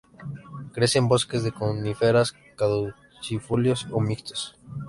Crece en bosques de coníferas, caducifolios o mixtos.